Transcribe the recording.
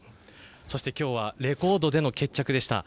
そして、今日はレコードでの決着でした。